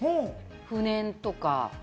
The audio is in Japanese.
不燃とか。